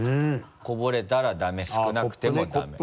こぼれたらダメ少なくてもダメ。